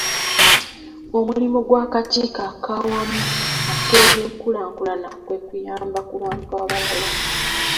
Omulimu gw'akakiiko ak'awamu ak'ebyenkulaakulana kwe kuyamba ku bantu abalala.